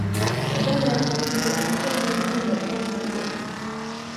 badala ya kuuliza maswali ya moja kwa moja